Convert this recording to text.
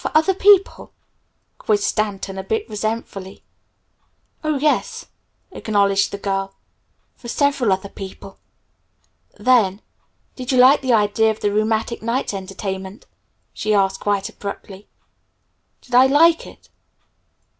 "For other people?" quizzed Stanton a bit resentfully. "Oh, yes," acknowledged the girl; "for several other people." Then, "Did you like the idea of the 'Rheumatic Nights Entertainment'?" she asked quite abruptly. "Did I like it?"